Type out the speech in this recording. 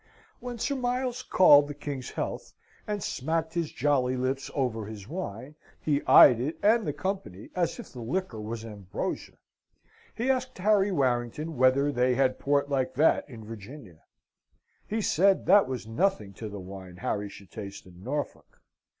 When Sir Miles called the King's health, and smacked his jolly lips over his wine, he eyed it and the company as if the liquor was ambrosia. He asked Harry Warrington whether they had port like that in Virginia? He said that was nothing to the wine Harry should taste in Norfolk.